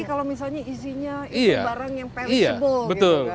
apalagi kalau misalnya isinya itu barang yang pensibel